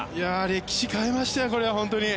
歴史を変えましたよ。